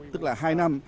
tức là hai năm